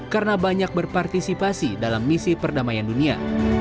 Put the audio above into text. karena banyak berpartisipasi dalam misi perdamaian dunia